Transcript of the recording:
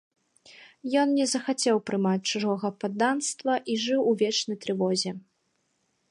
Ён не захацеў прымаць чужога падданства і жыў у вечнай трывозе.